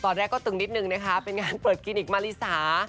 ตอนแรกก็ตึงนิดนึงนะคะเป็นงานเปิดคลินิกมาริสา